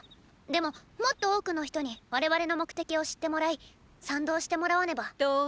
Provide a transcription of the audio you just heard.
でももっと多くの人に我々の目的を知ってもらい賛同してもらわねばーー。